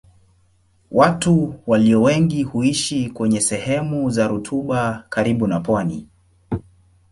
Watu walio wengi huishi kwenye sehemu za rutuba karibu na pwani.